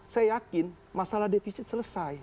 saya yakin masalah defisit selesai